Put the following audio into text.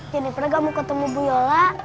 jeniper gak mau ketemu bu yola